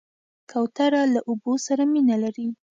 کوتره له اوبو سره مینه لري.